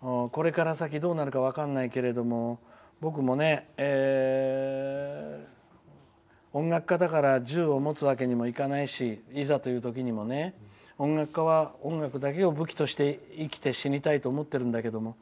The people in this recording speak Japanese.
これから先どうなるか分かんないけれど僕も音楽家だから銃を持つわけにもいかないしいざという時にも音楽家は音楽だけを武器として生きて死にたいと思ってるんだけれども。